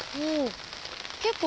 結構。